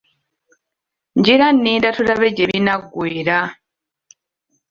Ngira nninda tulabe gye binaggweera.